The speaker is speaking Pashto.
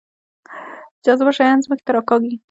جاذبه شیان ځمکې ته راکاږي